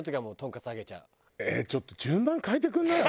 えっちょっと順番変えてくんない？